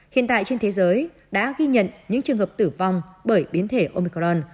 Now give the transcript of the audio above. hiện tại trên thế giới đã ghi nhận những trường hợp tử vong bởi biến thể omicron